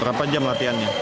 berapa jam latihannya